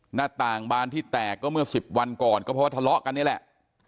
หน้าต่างบานที่แตกก็เมื่อ๑๐วันก่อนก็เพราะว่าทะเลาะกันนี่แหละ